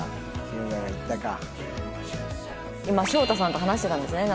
今翔太さんと話してたんですね